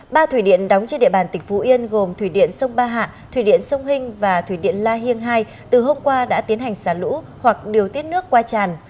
ba thủy điện đóng trên địa bàn tỉnh phú yên gồm thủy điện sông ba hạ thủy điện sông hinh và thủy điện la hiêng hai từ hôm qua đã tiến hành xả lũ hoặc điều tiết nước qua tràn